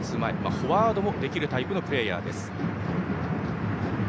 フォワードもできるタイプのプレーヤーです。